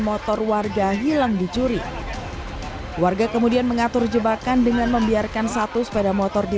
motor warga hilang dicuri warga kemudian mengatur jebakan dengan membiarkan satu sepeda motor di